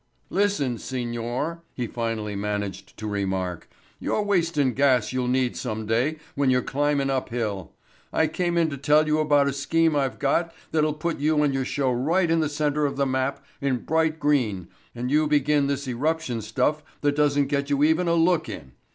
"Listen, Signor," he finally managed to remark. "You're wastin' gas you'll need some day when you're climbin' uphill. I came in to tell you about a scheme I've got that'll put you and your show right in the center of the map in bright green, and you begin this eruption stuff that doesn't get you even a look in.